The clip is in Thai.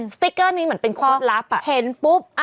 สติ๊กเกอร์นี้เหมือนเป็นโคตรลับ